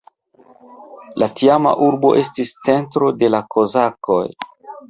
La tiama urbo estis centro de la kozakoj.